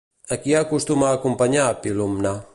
A qui acostuma a acompanyar Pilumne?